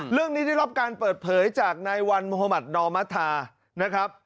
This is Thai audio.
เรื่องนี้ได้รอบการเปิดเผยจากนายวันมหมาศนมธนาตาร